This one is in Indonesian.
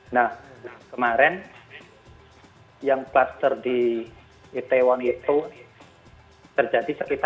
nah kemarin yang klaster di itaewon itu terjadi sekitar